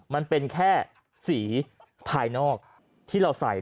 มันเป็นแค่สีภายนอกที่เราใส่